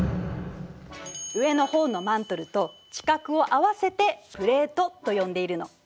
上のほうのマントルと地殻を合わせてプレートと呼んでいるの。